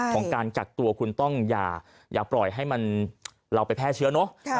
ของการกักตัวคุณต้องอย่าปล่อยให้มันเราไปแพร่เชื้อเนอะ